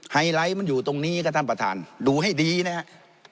ไฮไลท์มันอยู่ตรงนี้ครับท่านประธานดูให้ดีนะครับ